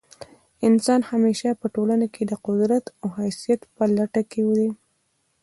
انسان همېشه په ټولنه کښي د قدرت او حیثیت په لټه کښي دئ.